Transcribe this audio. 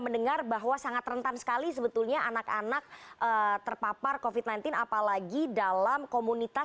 terima kasih sebetulnya pak susanto